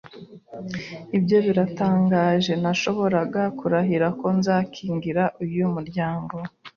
Ibyo biratangaje. Nashoboraga kurahira ko nzakingira uyu muryango.